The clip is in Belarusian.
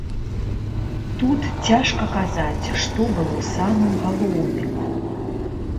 Тут цяжка казаць, што было самым галоўным.